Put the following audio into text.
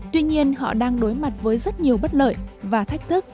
tuy nhiên họ đang đối mặt với rất nhiều bất lợi và thách thức